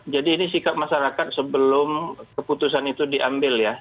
jadi ini sikap masyarakat sebelum keputusan itu diambil ya